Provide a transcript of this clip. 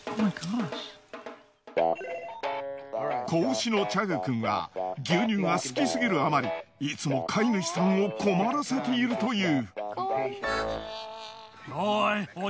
仔牛のチャグくんは牛乳が好きすぎるあまりいつも飼い主さんを困らせているという。